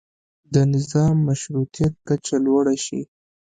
د نظام مشروطیت کچه لوړه شي.